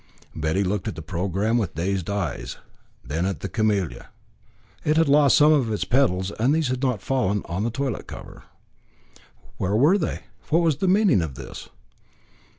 Betty looked at the programme with dazed eyes; then at the camellia. It had lost some of its petals, and these had not fallen on the toilet cover. Where were they? What was the meaning of this?